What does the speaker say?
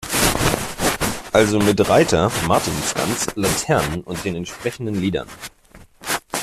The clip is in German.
Also mit Reiter, Martinsgans, Laternen und den entsprechenden Liedern.